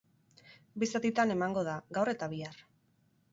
Bi zatitan emango da, gaur eta bihar.